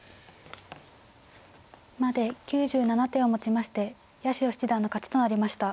まで９７手をもちまして八代七段の勝ちとなりました。